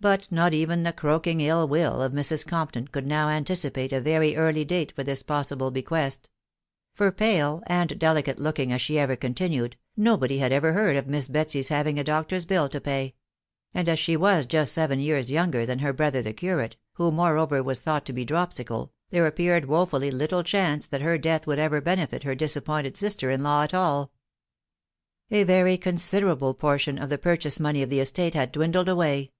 But not even the croak ing ill will of Mrs. Compton could now anticipate a very early date for this possible bequest ; for, pole and delicate looking as she ever continued, nobody had ever heard of Miss Betsy's having a doctor's bill to pay ; and as she was jnat seven years younger than her brother the curate, who, moreover, was thought to be dropsical, there appeased woruUy little chance that her death would ever benefit her disappointed sister in law at alL A very considerable portion of the purchase. money of the estate had dwindled away •*